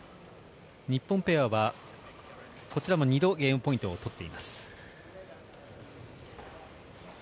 日本ペア、こちらも２度ゲームポイントを取っています。